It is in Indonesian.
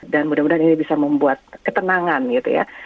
mudah mudahan ini bisa membuat ketenangan gitu ya